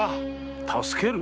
助ける？